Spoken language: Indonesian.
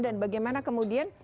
dan bagaimana kemudian